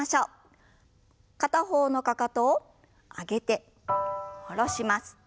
片方のかかとを上げて下ろします。